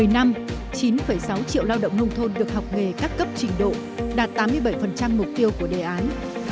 một mươi năm chín sáu triệu lao động nông thôn được học nghề các cấp trình độ đạt tám mươi bảy mục tiêu của đề án